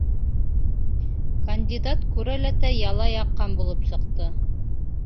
Кандидат күрәләтә яла яҡҡан булып сыҡты.